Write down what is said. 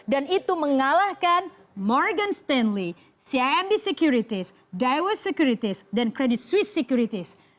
dan itu mengalahkan morgan stanley cimb securities daiwa securities dan credit suisse securities